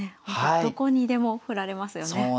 どこにでも振られますよね。